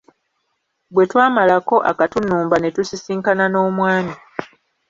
Bwe twamalako akatunnumba ne tusisinkana n'Omwami.